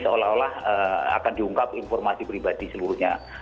seolah olah akan diungkap informasi pribadi seluruhnya